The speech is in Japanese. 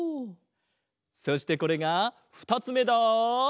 そしてこれがふたつめだ！